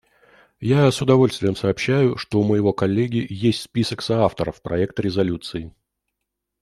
Я с удовольствием сообщаю, что у моего коллеги есть список соавторов проекта резолюции.